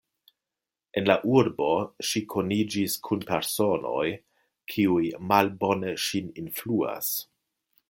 En la urbo ŝi koniĝis kun personoj, kiuj malbone ŝin influas.